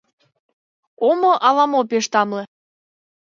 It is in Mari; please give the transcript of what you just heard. Омо ала-мо пеш тамле...